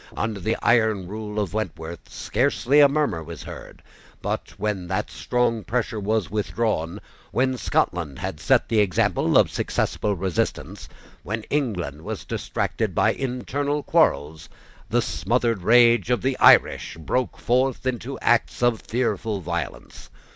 Under the iron rule of Wentworth, scarcely a murmur was heard: but, when that strong pressure was withdrawn, when Scotland had set the example of successful resistance, when England was distracted by internal quarrels, the smothered rage of the Irish broke forth into acts of fearful violence.